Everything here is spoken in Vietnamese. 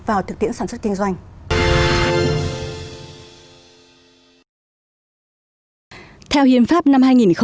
vào thực tiễn sản xuất kinh doanh